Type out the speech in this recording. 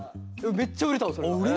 めっちゃ売れたのそれが。